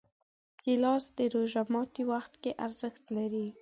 ګیلاس د روژه ماتي وخت کې ارزښت لري.